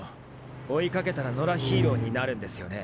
追いかけたら野良ヒーローになるんですよね。